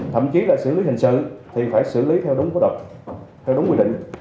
thậm chí là xử lý hình sự thì phải xử lý theo đúng quy định